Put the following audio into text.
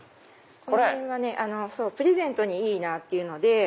この辺はプレゼントにいいなっていうので。